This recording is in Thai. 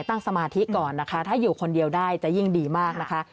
สมาธิก่อนนะคะถ้าอยู่คนเดียวได้จะยิ่งดีมากนะคะ